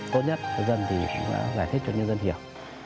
tốt nhất cho dân thì giải thích cho nhân dân hiểu